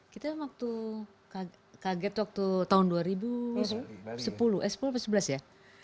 kita kaget waktu tahun dua ribu sebelas ya